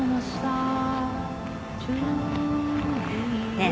ねえ？